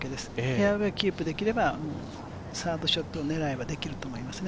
フェアウエーキープできればサードショット狙いはできると思います。